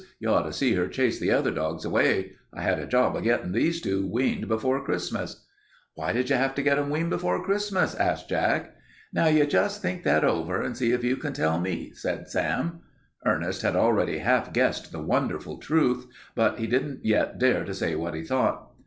You ought to see her chase the other dogs away. I had a job of it gettin' these two weaned before Christmas." "Why did you have to get them weaned before Christmas?" asked Jack. "Now you jest think that over, and see if you can tell me," said Sam. Ernest had already half guessed the wonderful truth, but he didn't yet dare to say what he thought.